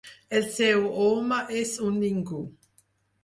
El seu home és un ningú.